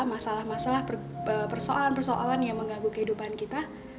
masalah masalah persoalan persoalan yang mengganggu kehidupan kita